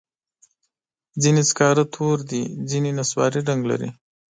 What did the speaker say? ځینې سکاره تور دي، ځینې نسواري رنګ لري.